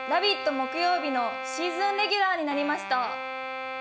木曜日のシーズンレギュラーになりました。